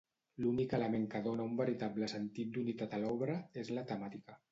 L'únic element que dóna un veritable sentit d'unitat a l'obra és la temàtica.